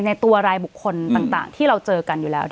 ในตัวรายบุคคลต่างที่เราเจอกันอยู่แล้ว